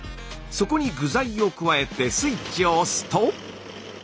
そこに具材を加えてスイッチを押すと。